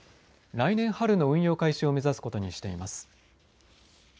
来年春の運用開始を目指すことにしています。